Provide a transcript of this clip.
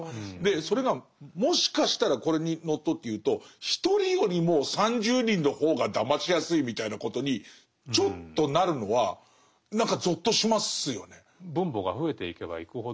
それがもしかしたらこれにのっとって言うと１人よりも３０人の方がだましやすいみたいなことにちょっとなるのは何かぞっとしますよね。